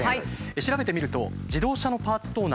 調べてみると自動車のパーツ盗難